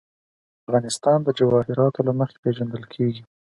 افغانستان د جواهرات له مخې پېژندل کېږي.